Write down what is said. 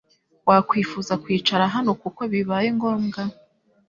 Wakwifuza kwicara hano kuko bibaye ngombwa